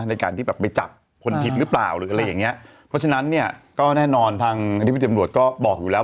ในการที่แบบไปจับคนผิดหรือเปล่าหรืออะไรอย่างเงี้ยเพราะฉะนั้นเนี่ยก็แน่นอนทางอธิบดีตำรวจก็บอกอยู่แล้ว